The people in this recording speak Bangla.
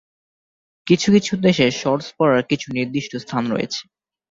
কিছু কিছু দেশে শর্টস পরার কিছু নির্দিষ্ট স্থান রয়েছে।